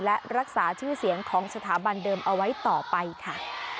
และรักษาชื่อเสียงของสถาบันเดิมเอาไว้ต่อไปค่ะ